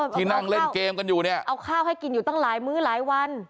ที่นั่งเล่นเกมกันอยู่เนี่ยเอาข้าวให้กินอยู่ตั้งหลายมื้อหลายวัน